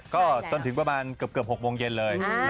ก็จนถึงประมาณเกือบ๖โมงเย็นเลย